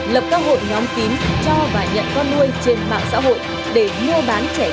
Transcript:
lập các hộp nhóm tím cho và nhận con nuôi trên mạng xã hội để mua bán trẻ sơ sinh